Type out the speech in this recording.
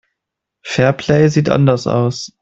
Fairplay sieht anders aus.